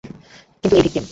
কিন্তু এই ভিকটিম!